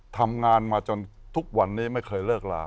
ทำงานมาจนทุกวันนี้ไม่เคยเลิกลา